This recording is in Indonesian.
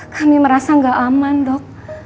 kami merasa nggak aman dok